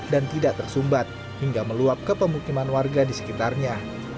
dan tidak tersumbat hingga meluap ke pemukiman warga di sekitarnya